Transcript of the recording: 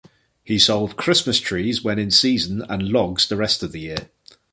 He sold Christmas trees when in season and logs the rest of the year.